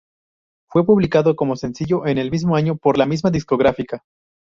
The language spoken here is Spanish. Fue publicado como sencillo en el mismo año por la misma discográfica.